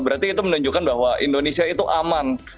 berarti itu menunjukkan bahwa indonesia itu aman